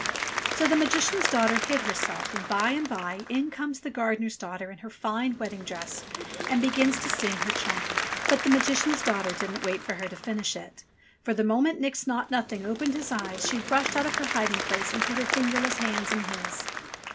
So the Magician's daughter hid herself, and, by and by, in comes the gardener's daughter in her fine wedding dress, and begins to sing her charm. But the Magician's daughter NIX NAUGHT NOTHING 193 didn't wait for her to finish it ; for the moment Nix Naught Nothing opened his eyes, she rushed out of her hiding place, and put her fingerless hands in his.